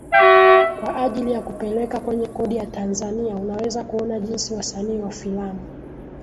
kwa ajili ya kupeleka kwenye kodi ya Tanzania Unaweza kuona jinsi wasanii wa filamu